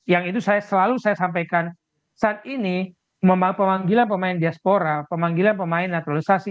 yang itu selalu saya sampaikan saat ini pemanggilan pemain diaspora pemanggilan pemain naturalisasi